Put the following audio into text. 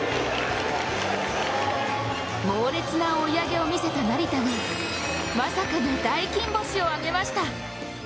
猛烈な追い上げを見せた成田がまさかの大金星を上げました。